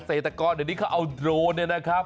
เศรษฐกรเดี๋ยวนี้เขาเอาโดรนเนี่ยนะครับ